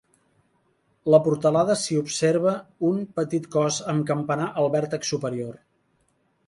La portalada s'hi observa un petit cos amb campanar al vèrtex superior.